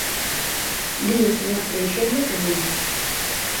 Di o señor Freixendo que non.